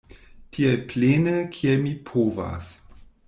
Tiel plene kiel mi povas.